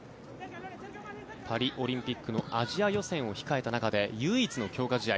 パリオリンピックのアジア予選を控えた中で唯一の強化試合